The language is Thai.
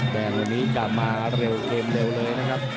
แดงวันนี้กลับมาเร็วเกมเร็วเลยนะครับ